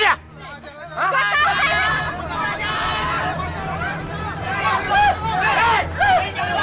gak tau saya